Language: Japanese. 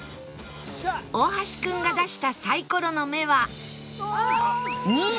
大橋君が出したサイコロの目は「２」